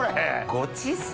ごちそう！